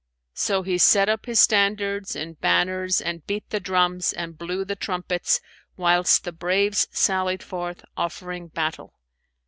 So he set up his standards and banners and beat the drums and blew the trumpets whilst the braves sallied forth, offering battle.